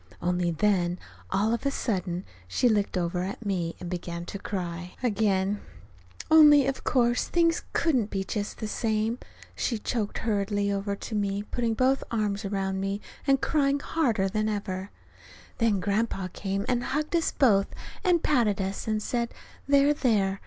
Only then, all of a sudden she looked over at me and began to cry again only, of course, things couldn't be "just the same," she choked, hurrying over to me and putting both arms around me, and crying harder than ever. Then Grandpa came and hugged us both, and patted us, and said, "There, there!"